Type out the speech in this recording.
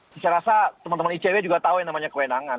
saya rasa teman teman icw juga tahu yang namanya kewenangan